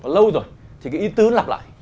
lâu rồi thì cái ý tứ lặp lại